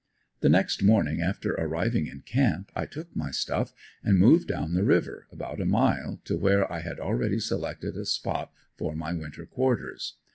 The next morning after arriving in camp I took my stuff and moved down the river about a mile to where I had already selected a spot for my winter quarters.